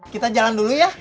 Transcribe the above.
kita jalan dulu ya